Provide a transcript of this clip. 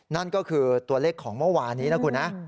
นั่นก็คือตัวเลขของเมื่อวานนี้นะคุณนะ